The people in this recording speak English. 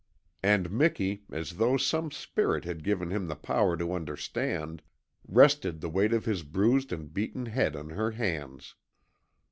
And Miki, as though some spirit had given him the power to understand, rested the weight of his bruised and beaten head on her hands.